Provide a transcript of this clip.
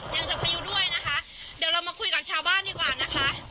ยังจากพายุด้วยนะคะเดี๋ยวเรามาคุยกับชาวบ้านดีกว่านะคะ